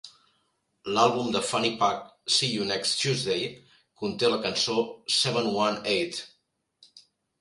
L'àlbum de FannyPack "See You Next Tuesday" conté la cançó "Seven One Eight".